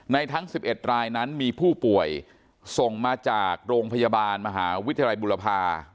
ทั้ง๑๑รายนั้นมีผู้ป่วยส่งมาจากโรงพยาบาลมหาวิทยาลัยบุรพา